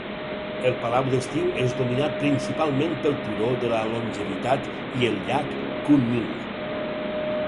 El palau d'estiu és dominat principalment pel turó de la longevitat i el Llac Kunming.